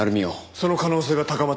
その可能性が高まったな。